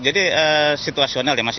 jadi situasional ya mas